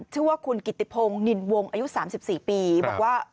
ชื่อว่าคุณกิตติพงศ์นินวงอายุสามสิบสี่ปีบอกว่า